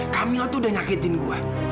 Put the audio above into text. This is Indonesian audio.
kamil tuh udah nyakitin gue